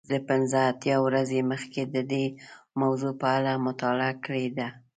زه پنځه اتیا ورځې مخکې د دې موضوع په اړه مطالعه کړې ده.